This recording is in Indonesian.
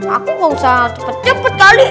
aku gak usah cepet cepet kali